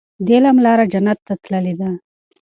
د علم لاره جنت ته تللې ده.